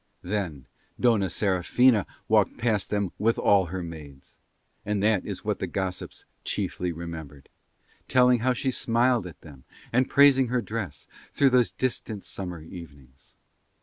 Then Dona Serafina walked past them with all her maids: and that is what the gossips chiefly remembered, telling how she smiled at them, and praising her dress, through those distant summer evenings.